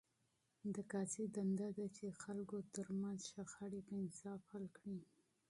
د قاضي دنده ده، چي د خلکو ترمنځ شخړي په انصاف حل کړي.